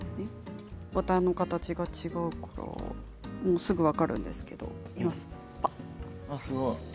ボタンの形が違うからすぐ分かるんですけれどもいきます。